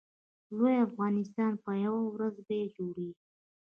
لوی افغانستان به یوه ورځ بیا جوړېږي